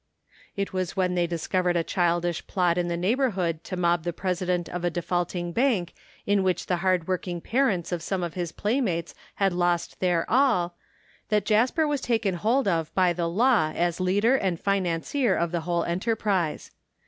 It was when they discovered a childish plot in the neighborhood to mob the president of a defaulting bank in which the hard working parents of some of his playmates had lost their all, that Jasper was taken hold of by the law as leader and financier of the whole enterprise.